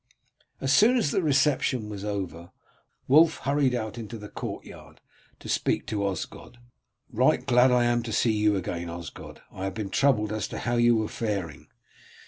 As soon as the reception was over Wulf hurried out into the courtyard to speak to Osgod. "Right glad am I to see you again, Osgod; I have been troubled as to how you were faring."